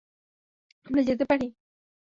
আমরা যেতে পারি?